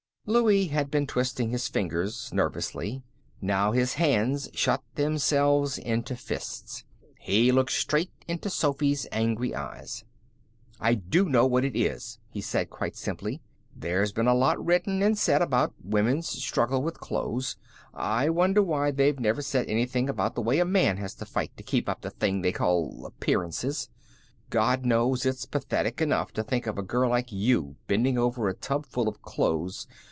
Louie had been twisting his fingers nervously. Now his hands shut themselves into fists. He looked straight into Sophy's angry eyes. "I do know what it is," he said, quite simply. "There's been a lot written and said about women's struggle with clothes. I wonder why they've never said anything about the way a man has to fight to keep up the thing they call appearances. God knows it's pathetic enough to think of a girl like you bending over a tubful of clothes.